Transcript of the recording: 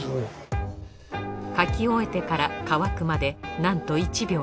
書き終えてから乾くまでなんと１秒。